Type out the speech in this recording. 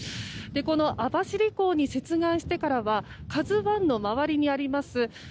この網走港に接岸してからは「ＫＡＺＵ１」の周りにあります